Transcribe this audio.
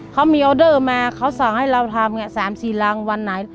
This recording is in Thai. เขามีออเดอร์มาเขาสั่งให้เราทำ๓๔รังวันไหน